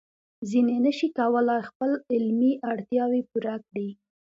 ځینې نشي کولای خپل علمي اړتیاوې پوره کړي.